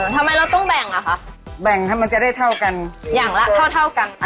ทำไมเราต้องแบ่งอ่ะคะแบ่งให้มันจะได้เท่ากันอย่างละเท่าเท่ากันค่ะ